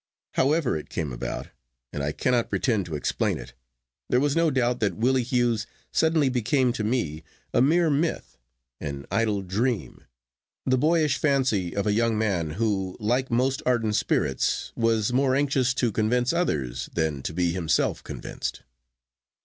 However it came about, and I cannot pretend to explain it, there was no doubt that Willie Hughes suddenly became to me a mere myth, an idle dream, the boyish fancy of a young man who, like most ardent spirits, was more anxious to convince others than to be himself convinced.